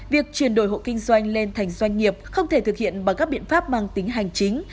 việc chuyển đổi hộ kinh doanh lên thành doanh nghiệp không thể thực hiện bằng các biện pháp mang tính hành chính